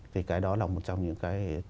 thì cái đó là một trong những cái